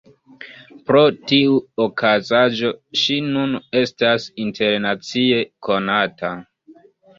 Pro tiu okazaĵo ŝi nun estas internacie konata.